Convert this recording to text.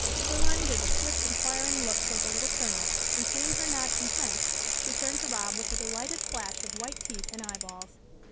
Pearline gave a swift inquiring look toward the Little Colonel, and seeing her nod consent, she turned to Rob with a delighted flash of white teeth and eye balls.